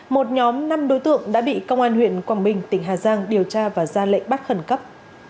một nhóm năm đối tượng đã bị công an huyện quảng bình tỉnh hà giang điều tra và ra lệnh bắt khẩn cấp